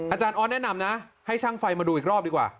อาจารย์ออสแนะนำนะให้ช่างไฟมาดูอีกรอบดีกว่า